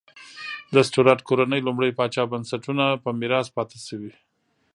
د سټورات کورنۍ لومړي پاچا بنسټونه په میراث پاتې شوې.